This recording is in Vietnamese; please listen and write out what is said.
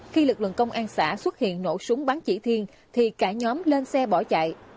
khi lực lượng công an xã xuất hiện nổ súng bắn chỉ thiên thì cả nhóm lên xe bỏ chạy